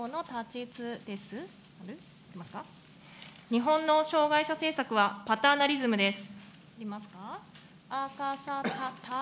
日本の障害者政策はパターナリズムです。